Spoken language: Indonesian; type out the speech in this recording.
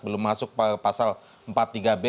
belum masuk pasal empat tiga b